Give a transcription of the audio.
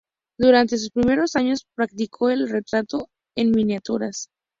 Durantes sus primeros años practicó el retrato en miniaturas.